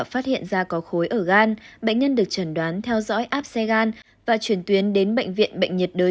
phát hiện ra có khối ở gan bệnh nhân được chẩn đoán theo dõi áp xe gan và chuyển tuyến đến bệnh viện bệnh nhiệt đới